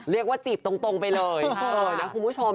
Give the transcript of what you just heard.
เรียกว่าจีบตรงไปเลยคุณผู้ชม